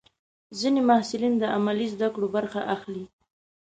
ځینې محصلین د عملي زده کړو برخه اخلي.